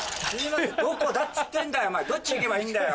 どこだっつってんだよどっち行けばいいんだよお前。